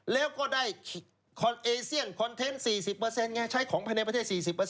แล้วก็ได้คอนเอเซียนคอนเทนต์๔๐ไงใช้ของภายในประเทศ๔๐